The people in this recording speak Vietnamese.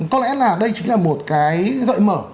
có lẽ là đây chính là một cái gợi mở